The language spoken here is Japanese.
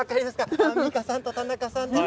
アンミカさんと田中さんです。